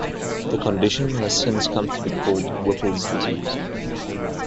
The condition has since come to be called Whipple's disease.